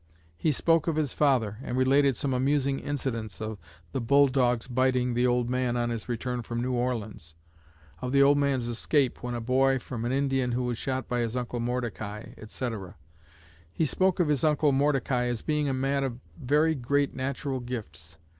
He spoke of his father, and related some amusing incidents of the bull dog's biting the old man on his return from New Orleans; of the old man's escape, when a boy, from an Indian who was shot by his uncle Mordecai, etc. He spoke of his uncle Mordecai as being a man of very great natural gifts.